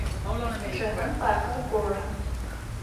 Бжыхьэм паркыр гохьы.